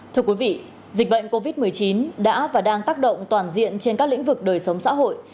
thưa quý vị dịch bệnh covid một mươi chín đã và đang tác động toàn diện trên các lĩnh vực đời sống xã hội